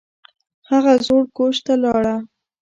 هغه زوړ کوچ ته لاړه